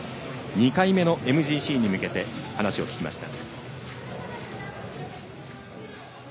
２回目のＭＧＣに向けて話を聞きました。